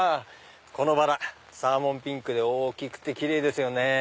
このバラサーモンピンクで大きくてキレイですよね。